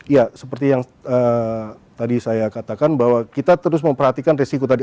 ya seperti yang tadi saya katakan bahwa kita terus memperhatikan resiko tadi